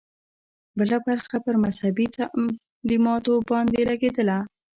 بله برخه پر مذهبي تعلیماتو باندې لګېدله.